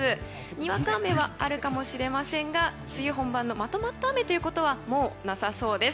にわか雨はあるかもしれませんが梅雨本番のまとまった雨ということはもうなさそうです。